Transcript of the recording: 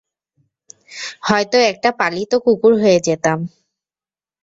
হয়তো একটা পালিত কুকুর হয়ে যেতাম।